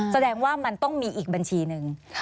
แสดงว่ามันต้องมีอีกบัญชีหนึ่ง